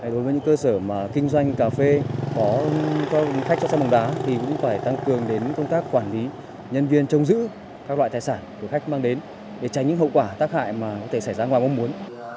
đối với những cơ sở kinh doanh cà phê có khách có xe bóng đá thì cũng phải tăng cường đến công tác quản lý nhân viên trong giữ các loại tài sản của khách mang đến để tránh những hậu quả tác hại mà có thể xảy ra ngoài mong muốn